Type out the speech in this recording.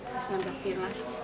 masih nampak pilar